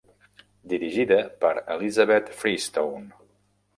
Dirigida per Elizabeth Freestone.